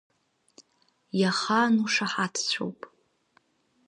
Иахаану шаҳаҭцәоуп.